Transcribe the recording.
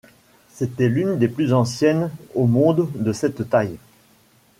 C'était l'une des plus anciennes au monde de cette taille.